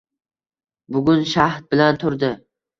Bugun... shahd bilan turdi.